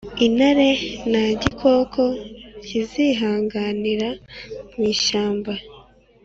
Intare ntagikoko kizihangara mwishyamba